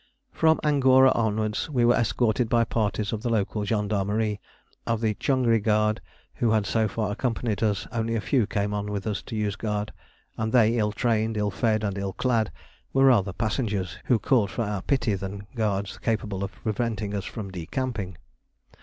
From Angora onwards we were escorted by parties of the local gendarmerie; of the Changri guard who had so far accompanied us only a few came on with us to Yozgad; and they, ill trained, ill fed, and ill clad, were rather passengers who called for our pity than guards capable of preventing us from decamping.